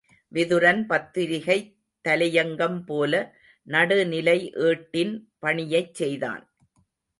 விதுரன் பத்திரிகைத் தலையங்கம் போல நடுநிலை ஏட்டி ன் பணியைச் செய்தான்.